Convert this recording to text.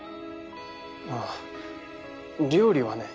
ああ料理はね。